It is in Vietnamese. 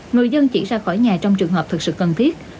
người dân chỉ ra khỏi nhà trong trường hợp thực sự cần thiết